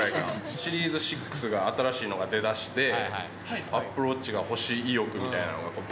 シリーズ６が新しいのが出だして、アップルウォッチが欲しい意欲みたいなのがば